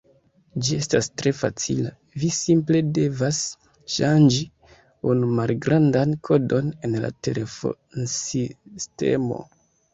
Ĝi estas tre facila: vi simple devas ŝanĝi unu malgrandan kodon en la telefonsistemo.